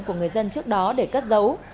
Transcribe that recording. của người dân trước đó để cất giấu